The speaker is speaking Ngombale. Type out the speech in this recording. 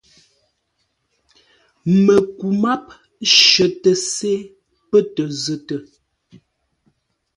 Məku máp shətə se pə́ tə zətə.